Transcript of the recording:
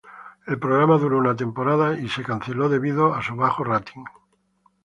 El programa duró una temporada y fue cancelado debido a su bajo rating.